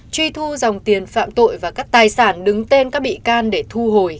truy thu dòng tiền phạm tội và các tài sản đứng tên các bị can để thu hồi